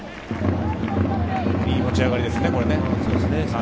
いい持ち上がりです。